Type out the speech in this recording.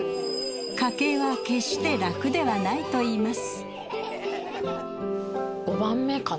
家計は決して楽ではないといいます。